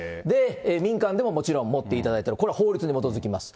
民間でももちろん持っていただいてる、これは法律に基づきます。